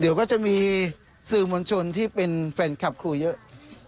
เดี๋ยวก็จะมีสื่อมวลชนที่เป็นแฟนคลับครูเยอะ